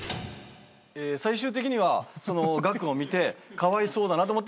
最終的にはその額を見てかわいそうだなと思って。